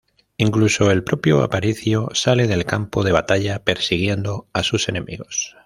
Incluso el propio Aparicio sale del campo de batalla persiguiendo a sus enemigos.